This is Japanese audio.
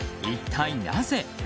一体なぜ？